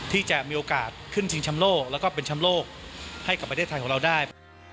ที่จะมีโอกาสขึ้นชิงชำโลกแล้วก็เป็นแชมป์โลกให้กับประเทศไทยของเราได้